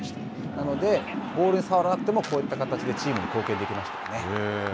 なので、ボールにさわらなくても、こういった形でチームに貢献できましたよね。